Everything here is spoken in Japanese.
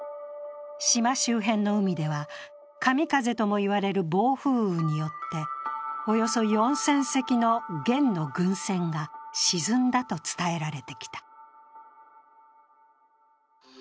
島周辺の海では、神風ともいわれる暴風雨によっておよそ４０００隻の元の軍船が沈んだと伝えられてきた。